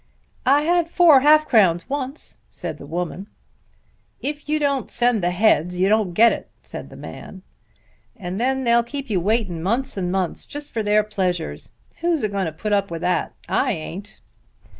"I had four half crowns once," said the woman. "If you don't send the heads you don't get it," said the man, "and then they'll keep you waiting months and months, just for their pleasures. Who's a going to put up with that? I ain't."